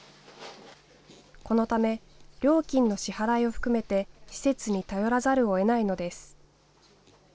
このため料金の支払いを含めて施設に頼らざるをえないのです。